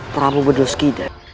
prabu bedul sakida